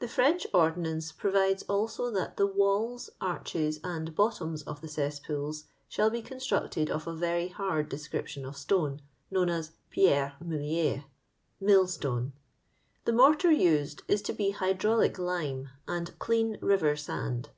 The French ordonnance provides also that the walls, arches, and bottoms of the ces^ools, shall be constructed of a very hard description of stone, known as ''pierres meuU^res" (mill stone); the mortar used is to be hydraulic lime and clean river sand.